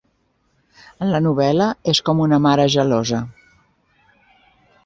En la novel·la, és com una mare gelosa.